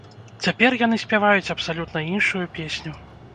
Цяпер яны спяваюць абсалютна іншую песню.